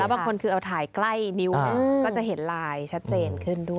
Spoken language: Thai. บางคนคือเอาถ่ายใกล้นิ้วก็จะเห็นลายชัดเจนขึ้นด้วย